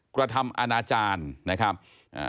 กระทำอาณาจารย์นะครับอ่า